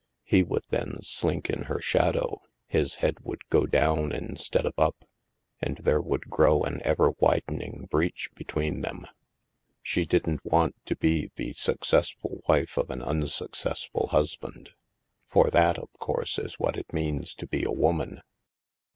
He would then slink in her shadow, his head would go down instead of up, and there would grow an ever widening breach between them. She didn't want to be the successful wife of an unsuccessful husband. For that, of course, is what it means to be a woman.